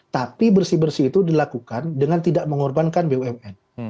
tapi bersih bersih itu dilakukan dengan tidak mengorbankan bumn